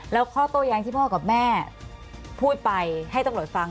แล้วข้อโต้แย้งที่พ่อกับแม่พูดไปให้ตำรวจฟัง